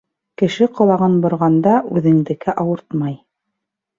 Кеше ҡолағын борғанда үҙендеке ауыртмай.